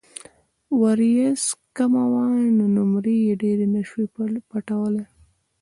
وريځ کمه وه نو نمر يې ډېر نۀ شو پټولے ـ